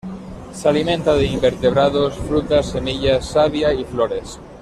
Se alimenta de invertebrados, frutas, semillas, savia y flores.